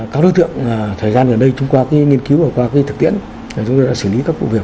các đối tượng thời gian gần đây chúng qua cái nghiên cứu và qua cái thực tiễn chúng tôi đã xử lý các vụ việc